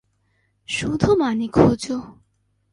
শুধু মানে খোঁজো।